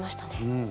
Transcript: うん。